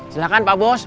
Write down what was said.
silahkan pak bos